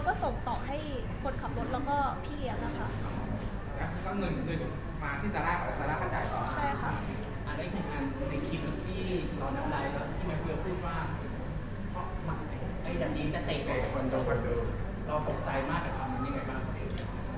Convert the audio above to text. ก็ไม่ได้เกี่ยวกับซาร่าค่ะ